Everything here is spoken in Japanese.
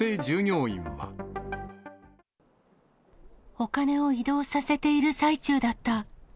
お金を移動させている最中だ